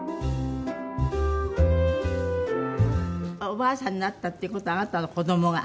おばあさんになったっていう事はあなたの子供が。